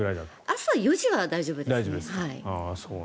朝４時は大丈夫ですね。